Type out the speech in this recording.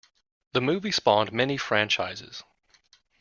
The movie spawned many franchises.